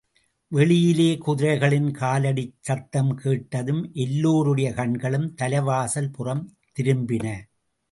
வெளியிலே குதிரைகளின் காலடிச் சத்தம் கேட்டதும் எல்லோருடைய கண்களும் தலைவாசல் புறம் திரும்பின.